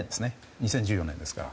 ２０１４年ですから。